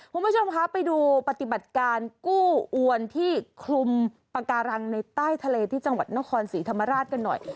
คุณผู้ชมคะไปดูปฏิบัติการกู้อวนที่คลุมปากการังในใต้ทะเลที่จังหวัดนครศรีธรรมราชกันหน่อย